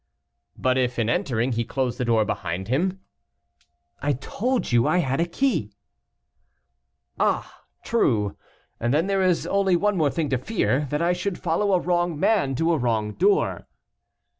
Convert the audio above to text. "But if, in entering, he close the door behind him?" "I told you I had a key." "Ah! true; then there is only one more thing to fear, that I should follow a wrong man to a wrong door."